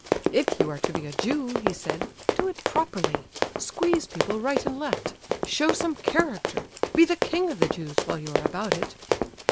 "If you are to be a Jew," he said, "do it properly—squeeze people right and left, show some character; be the King of the Jews while you are about it."